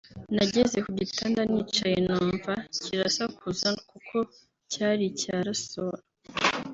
nageze ku gitanda nicaye numva kirasakuza kuko cyari icya rasoro